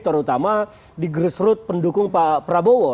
terutama di grassroot pendukung pak prabowo